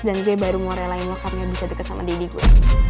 dan gue baru mau relain lo karena bisa deket sama dede gue